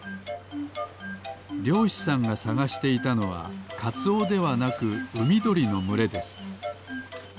りょうしさんがさがしていたのはカツオではなくうみどりのむれです。